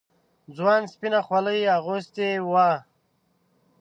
ځوان سپينه خولۍ اغوستې وه.